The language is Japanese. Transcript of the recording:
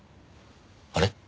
あれ？